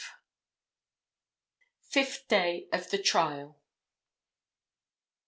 Fifth Day of the Trial.